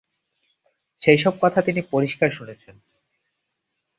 সেইসব কথা তিনি পরিষ্কার শুনছেন।